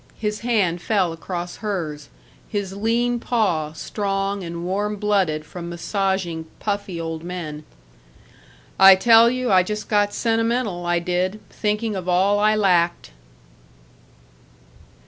His hand fell across hers his lean paw, strong and warm blooded from massaging puffy old men. "I tell you I just got sentimental, I did, thinking of all I lacked."